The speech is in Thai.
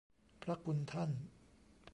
พระคุณท่าน